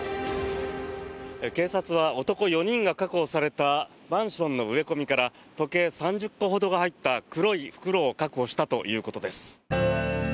警察は男４人が確保されたマンションの植え込みから時計３０個ほどが入った黒い袋を確保したということです。